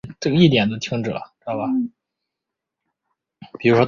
酿酒厂最著名的产品是一种黑色的司陶特啤酒。